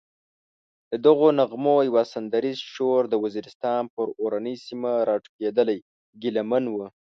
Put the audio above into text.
ددغو نغمو یو سندریز شور د وزیرستان پر اورنۍ سیمه راټوکېدلی ګیله من و.